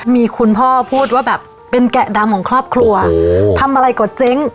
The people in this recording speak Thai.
มีคุณพ่อพูดว่าแบบเป็นแกะดำของครอบครัวทำอะไรก็เจ๊ง